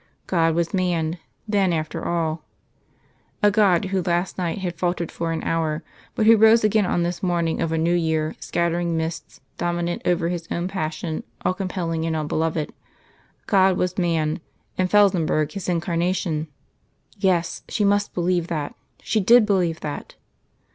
God was man, then, after all a God who last night had faltered for an hour, but who rose again on this morning of a new year, scattering mists, dominant over his own passion, all compelling and all beloved. God was man, and Felsenburgh his Incarnation! Yes, she must believe that! She did believe that!